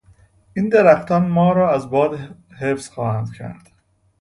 این درختان ما را از باد حفظ خواهند کرد.